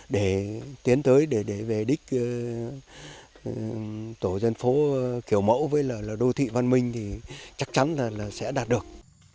để tiến tới để về đích tổ dân phố kiểu mẫu với đô thị văn minh thì chắc chắn là sẽ đạt được